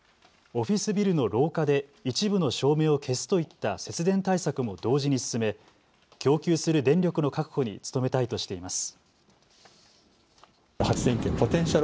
オフィスビルの廊下で一部の照明を消すといった節電対策も同時に進め供給する電力の確保に努めたいとしています。